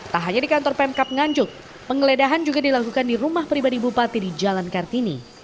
tak hanya di kantor pemkap nganjuk penggeledahan juga dilakukan di rumah pribadi bupati di jalan kartini